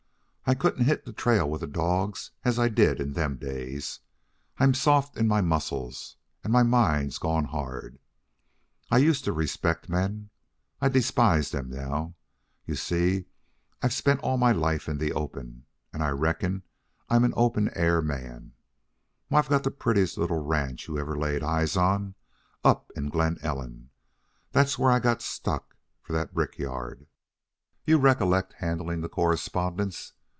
I couldn't hit the trail with the dogs as I did in them days. I'm soft in my muscles, and my mind's gone hard. I used to respect men. I despise them now. You see, I spent all my life in the open, and I reckon I'm an open air man. Why, I've got the prettiest little ranch you ever laid eyes on, up in Glen Ellen. That's where I got stuck for that brick yard. You recollect handling the correspondence.